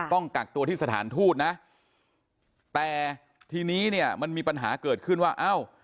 ต้องกักตัวที่สถานทูตนะแต่ทีนี้เนี่ยมันมีปัญหาเกิดขึ้นว่าเอ้า